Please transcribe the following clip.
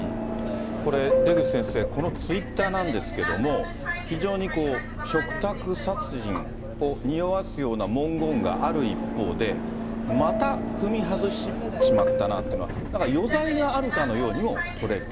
これ、出口先生、このツイッターなんですけれども、非常に嘱託殺人をにおわすような文言がある一方で、また踏み外しちまったなっていうのは、なんか余罪があるかのようにも取れる。